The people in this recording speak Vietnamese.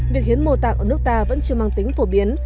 việc hiến mô tạng ở nước ta vẫn chưa mang tính phổ biến